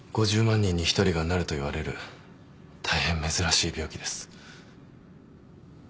５０万人に１人がなるといわれる大変珍しい病気です。